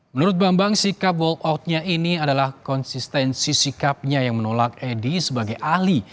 menurut bambang sikap walkoutnya ini adalah konsistensi sikapnya yang menolak edi sebagai ahli